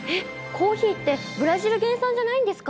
コーヒーってブラジル原産じゃないんですか？